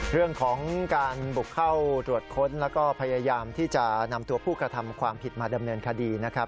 เรื่องของการบุกเข้าตรวจค้นแล้วก็พยายามที่จะนำตัวผู้กระทำความผิดมาดำเนินคดีนะครับ